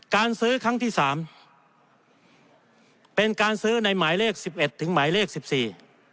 การซื้อครั้งที่สามเป็นการซื้อในหมายเลขสิบเอ็ดถึงหมายเลขสิบสี่